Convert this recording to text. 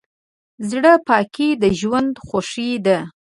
زړه پاکي د ژوند خوښي ده.